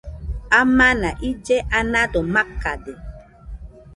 Amana ille anado makade